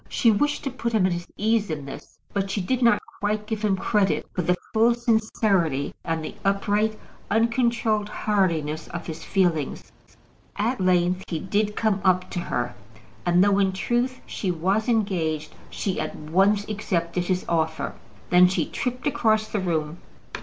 She wished to put him at his ease in this; but she did not quite give him credit for the full sincerity, and the upright, uncontrolled heartiness of his feelings. At length he did come up to her, and though, in truth, she was engaged, she at once accepted his offer. Then she tripped across the room.